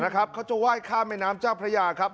เขาจะไหว้ข้ามแม่น้ำเจ้าพระยาครับ